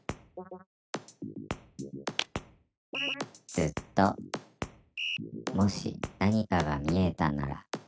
「ずっと」「もし何かが見えたなら」